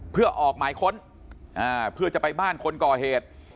เพื่อออกหมายค้นเพื่อจะไปบ้านคนก่อเหตุ